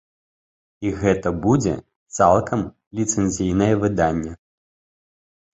І гэта будзе цалкам ліцэнзійнае выданне!